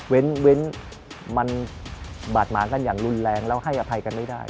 เว้นมันบาดหมางกันอย่างรุนแรงแล้วให้อภัยกันไม่ได้